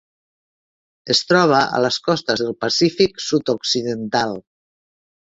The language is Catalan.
Es troba a les costes del Pacífic sud-occidental.